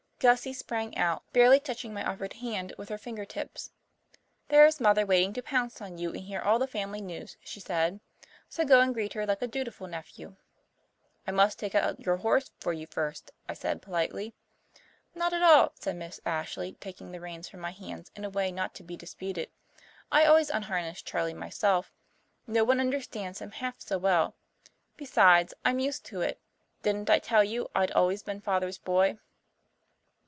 Gussie sprang out, barely touching my offered hand with her fingertips. "There's Mother waiting to pounce on you and hear all the family news," she said, "so go and greet her like a dutiful nephew." "I must take out your horse for you first," I said politely. "Not at all," said Miss Ashley, taking the reins from my hands in a way not to be disputed. "I always unharness Charley myself. No one understands him half so well. Besides, I'm used to it. Didn't I tell you I'd always been Father's boy?"